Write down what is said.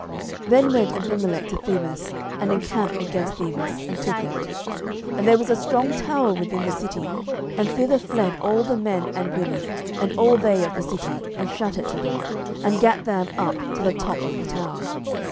07:009:050 Then went Abimelech to Thebez, and encamped against Thebez, and took it. 07:009:051 But there was a strong tower within the city, and thither fled all the men and women, and all they of the city, and shut it to them, and gat them up to the top of the tower.